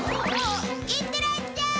いってらっしゃい！